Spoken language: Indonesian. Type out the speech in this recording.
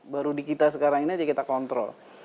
baru di kita sekarang ini aja kita kontrol